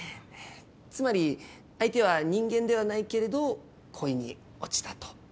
つまり相手は人間ではないけれど恋に落ちたと。